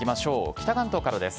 北関東からです。